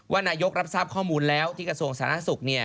นายกรับทราบข้อมูลแล้วที่กระทรวงสาธารณสุข